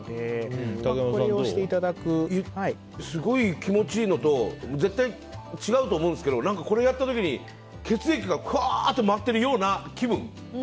すごい気持ちいいのと絶対違うと思うんですけどこれをやった時に血液がカーッと回ってるような気分。